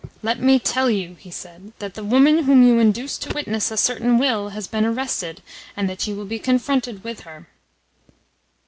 "Let me tell you," he said, "that the woman whom you induced to witness a certain will has been arrested, and that you will be confronted with her."